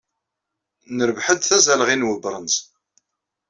Nerbeḥ-d tazalɣi n webṛenz.